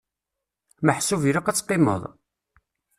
Meḥsub ilaq ad teqqimeḍ?